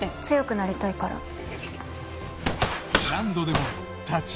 強くなりたいから。